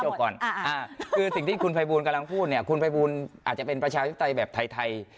กลับมาก่อนค่ะคือสิ่งที่คุณใบบูลกำลังพูดคุณใบบูลอาจจะเป็นประชาศิษย์ใต้แบบไทย